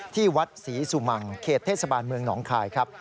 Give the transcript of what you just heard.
ที่วัดศรีสุมังเขตเทศบาลเมืองหนองคายครับ